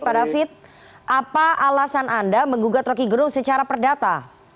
pak david apa alasan anda menggugat rocky gerung secara perdata